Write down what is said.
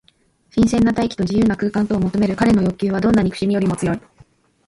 新鮮な大気と自由な空間とを求めるかれの欲求は、どんな憎しみよりも強い。